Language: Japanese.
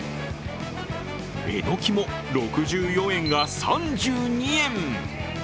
えのきも６４円が３２円！